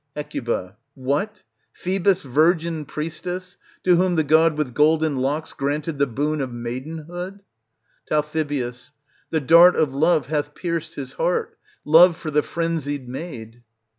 Hec. What ! Phoebus' virgin priestess, to whom the god with golden locks granted the boon of maidenhood ? Tal. The dart of love hath pierced his heart, love for the frenzied maid.